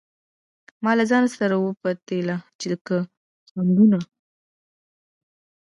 ما له ځانه سره وپتېيله چې که خنډونه وي پر مخ ځم.